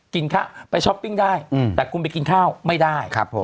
ข้าวไปช้อปปิ้งได้แต่คุณไปกินข้าวไม่ได้